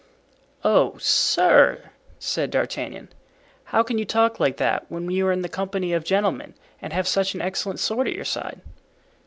"Oh! sir," said D'Artagnan, "how can you talk like that when you are in the company of gentlemen and have such an excellent sword at your side?"